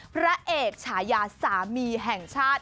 พระเอกฉายาสามีแห่งชาติ